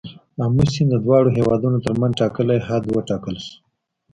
آمو سیند د دواړو هیوادونو تر منځ ټاکلی حد وټاکل شو.